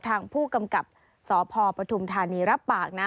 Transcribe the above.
ทางผู้กำกับสพปฐุมธานีรับปากนะ